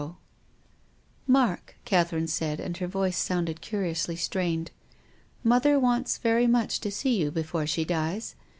M " Mark," Catherine said, and her voice sounded curiously strained. " Mother wants very much to see you, before she dies.